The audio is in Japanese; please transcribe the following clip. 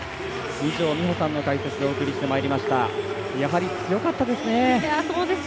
二條実穂さんの解説でお送りしてまいりました。